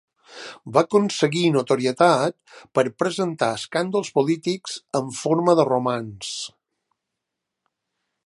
Va aconseguir notorietat per presentar escàndols polítics en forma de romanç.